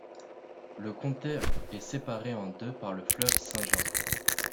Le comté est séparé en deux par le fleuve Saint-Jean.